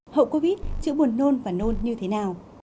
hậu covid chữ buồn nôn và nôn như thế nào